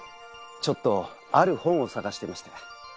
ちょっとある本を探していまして。